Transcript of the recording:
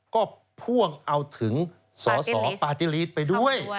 ก็พ่วงเอาถึงสอสอปฏิฤทธิ์ไปด้วย